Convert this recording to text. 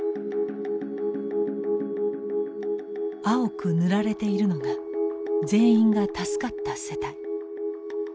青く塗られているのが全員が助かった世帯。